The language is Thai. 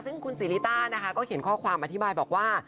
ซึ่งคุณศรีริต้านะคะก็เขียนข้อความอธิบายบอกว่า